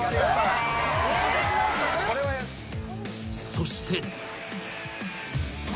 ［そして］